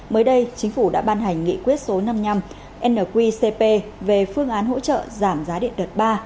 mới đây chính phủ đã ban hành nghị quyết số năm mươi năm nqcp về phương án hỗ trợ giảm giá điện đợt ba